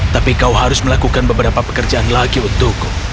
tapi kau harus melakukan beberapa pekerjaan lagi untukku